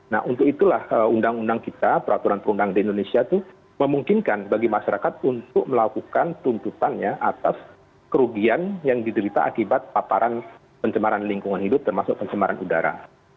nah untuk itulah undang undang kita peraturan perundang di indonesia itu memungkinkan bagi masyarakat untuk melakukan tuntutannya atas kerugian yang diderita akibat paparan pencemaran lingkungan hidup termasuk pencemaran udara